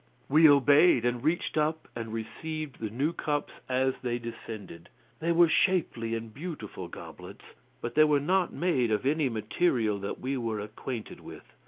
We obeyed, and reached up and received the new cups as they descended. They were shapely and beautiful goblets, but they were not made of any material that we were acquainted with.